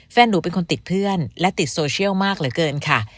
แฟนหนูเป็นคนติดเพื่อนและติดโซเชียลมากเหลือเกินค่ะ